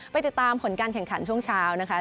ไปติดตามผลการแข่งขันช่วงเช้านะคะ